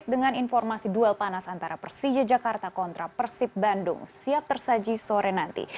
dengan informasi duel panas antara persija jakarta kontra persib bandung siap tersaji sore nanti